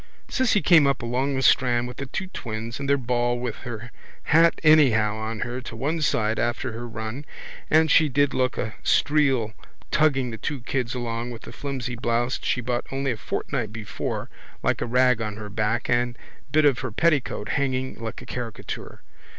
Cissy came up along the strand with the two twins and their ball with her hat anyhow on her to one side after her run and she did look a streel tugging the two kids along with the flimsy blouse she bought only a fortnight before like a rag on her back and a bit of her petticoat hanging like a caricature.